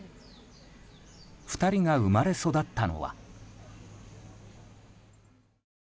２人が生まれ育ったのは。